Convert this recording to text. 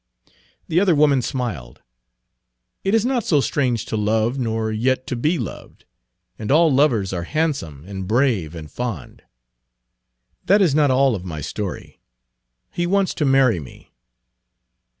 The other woman smiled. "It is not so strange to love, nor yet to be loved. And all lovers are handsome and brave and fond." "That is not all of my story. He wants to marry me."